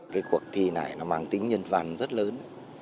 cái cuộc thi này nó mang tính nhân văn rất lớn